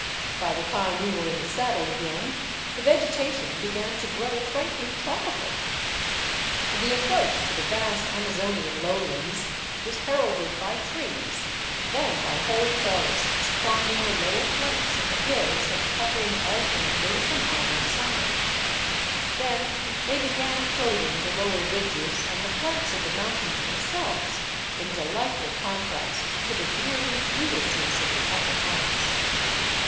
By the time we were in the saddle again the vegetation began to grow frankly tropical. The ap proach to the vast Amazonian lowlands was heralded by trees, then by whole forests climbing the lower flanks of the hills that cut in alternately from either side ; then they began clothing the lower ridges and the flanks of the mountains themselves, in delightful contrast to the dreary treelessness of the upper heights.